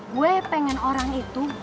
gue pengen orang itu